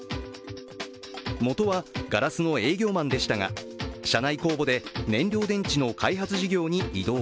もとはガラスの営業マンでしたが社内公募で燃料電池の開発事業に異動。